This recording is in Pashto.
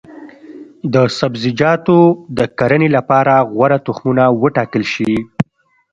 د سبزیجاتو د کرنې لپاره غوره تخمونه وټاکل شي.